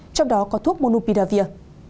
trong đó có thuốc monopiravir